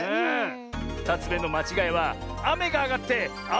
２つめのまちがいはあめがあがってあおぞらになってる！